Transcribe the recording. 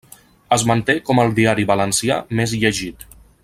Es manté com el diari valencià més llegit.